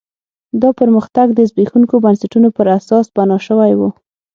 دا پرمختګ د زبېښونکو بنسټونو پر اساس بنا شوی و.